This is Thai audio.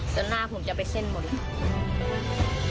ซะหน้าผมจะไปเส้นหมด